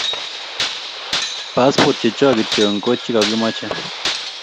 Passport chechok kityo ko chokokimache